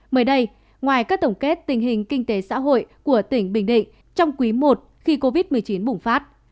mới đây ngoài các tổng kết tình hình kinh tế xã hội của tỉnh bình định trong quý i khi covid một mươi chín bùng phát